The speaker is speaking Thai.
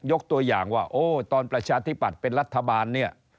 ยกตัวอย่างว่าโอ้ตอนประชาธิปัตย์เป็นรัฐบาลเนี่ย